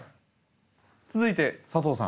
続いて佐藤さん